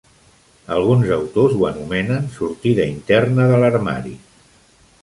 Alguns autors ho anomenen "sortida interna de l'armari".